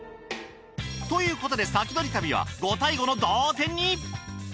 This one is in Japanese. ということで先取り旅は５対５の同点に。